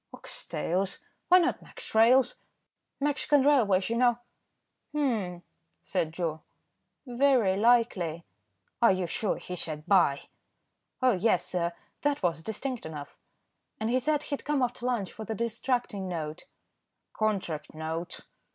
"Ox tails. Why not Mex. Rails.? Mexican Railways, you know." "Humph," said Joe, "very likely." "Are you sure he said 'buy?'" "Oh! yes, sir, that was distinct enough, and he said he'd come after lunch for the distracting note." "Contract note."